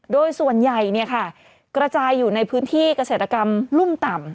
โดยส่วนใหญ่กระจายอยู่ในพื้นที่เกษตรกรรมรุ่มต่ำ